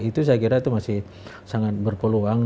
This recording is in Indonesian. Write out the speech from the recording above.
itu saya kira itu masih sangat berpeluang